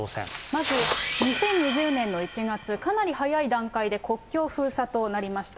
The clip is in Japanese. まず２０２０年の１月、かなり早い段階で国境封鎖となりました。